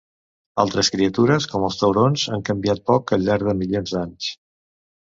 Altres criatures, com els taurons, han canviat poc al llarg de milions d'anys.